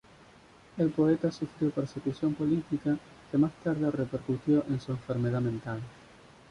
El poeta sufrió persecución política que más tarde repercutió en su enfermedad mental.